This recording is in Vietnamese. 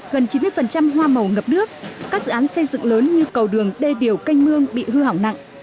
gần chín mươi hoa màu ngập nước các dự án xây dựng lớn như cầu đường đê điều canh mương bị hư hỏng nặng